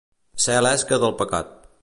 Ser l'esca del pecat.